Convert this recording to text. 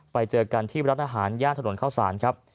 ไปเจอกันที่ร้านอาหารย่านถนนเข้าสารครับ